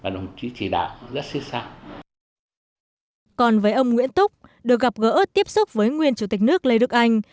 được gặp gỡ tiếp xúc với nguyên chủ tịch nước lê đức anh